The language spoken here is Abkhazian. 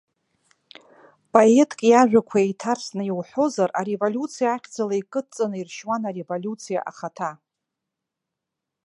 Поетк иажәақәа еиҭарсны иуҳәозар, ареволиуциа ахьӡала икыдҵаны иршьуан ареволиуциа ахаҭа.